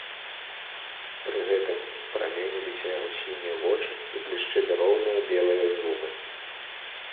Пры гэтым праменіліся яго сінія вочы і блішчэлі роўныя белыя зубы.